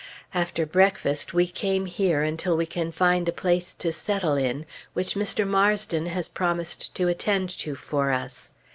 After breakfast we came here until we can find a place to settle in, which Mr. Marsden has promised to attend to for us.